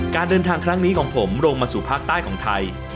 การเดินทางครั้งนี้ของผมลงมาสู่ภาคใต้ของไทย